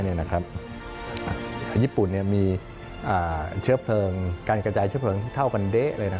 ญี่ปุ่นมีเชื้อเพลิงการกระจายเชื้อเพลิงที่เท่ากันเด๊ะเลย